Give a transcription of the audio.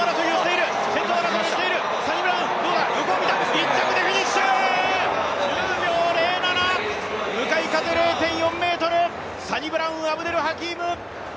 １着でフィニッシュ、１０秒０７、向かい風０．４メートル、サニブラウン・アブデル・ハキーム。